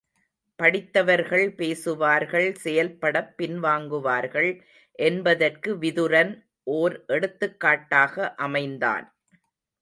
படித்தவர்கள் பேசுவார்கள் செயல்படப் பின்வாங்குவார்கள் என்பதற்கு விதுரன் ஒர் எடுத்துக்காட்டாக அமைந்தான்.